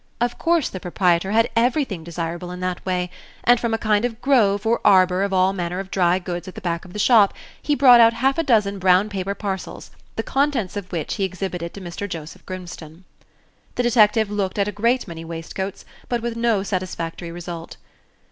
Of course the proprietor had everything desirable in that way, and from a kind of grove or arbor of all manner of dry goods at the back of the shop he brought out half a dozen brown paper parcels, the contents of which he exhibited to Mr. Joseph Grimstone. The detective looked at a great many waistcoats, but with no satisfactory result.